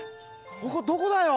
ここどこだよ！